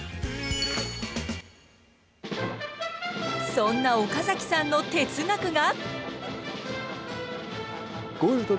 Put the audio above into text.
そんな岡崎さんの哲学が。